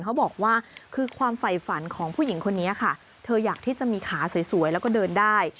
เขาบอกว่าคือความไฝฝันของผู้หญิงคนนี้ค่ะเธออยากที่จะมีขาสวยแล้วก็เดินได้